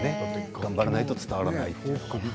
頑張らないと伝わらないって。